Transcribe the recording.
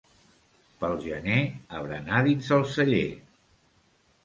Pel gener, a berenar dins el celler.